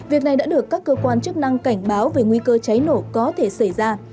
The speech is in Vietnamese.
việc này đã được các cơ quan chức năng cảnh báo về nguy cơ cháy nổ có thể xảy ra